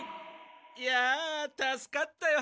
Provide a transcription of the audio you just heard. いや助かったよ